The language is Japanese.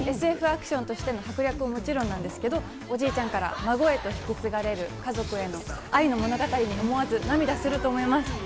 ＳＦアクションとしての迫力はもちろんなんですけれども、おじいちゃんから孫へと引き継がれる家族の愛の物語に思わず涙すると思います。